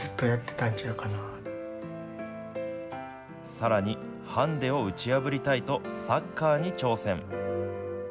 さらにハンデを打ち破りたいとサッカーに挑戦。